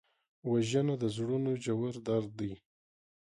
وژنه د زړونو ژور درد دی